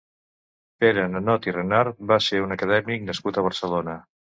Pere Nanot i Renart va ser un acadèmic nascut a Barcelona.